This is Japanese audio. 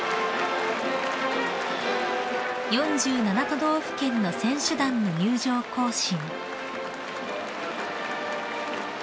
［４７都道府県の選手団の入場行進］